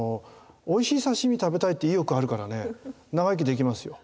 おいしい刺身食べたいって意欲あるからね長生きできますよ。